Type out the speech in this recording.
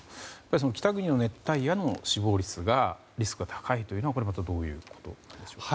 北国の熱帯夜での死亡リスクが高いのはこれまたどういうことなんでしょうか。